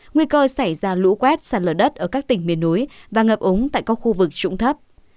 nguy cơ xảy ra lũ quét sạt lở đất ở các tỉnh miền núi và ngập ống tại các khu vực trụng thấp